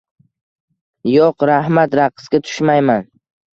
Yo'q, raxmat. Raqsga tushmayman.